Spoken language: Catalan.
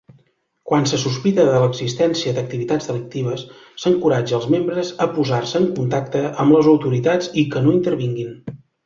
Quan se sospita de l'existència d'activitats delictives, s'encoratja els membres a posar-se en contacte amb les autoritats i que no intervinguin.